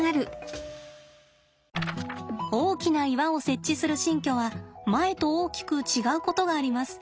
大きな岩を設置する新居は前と大きく違うことがあります。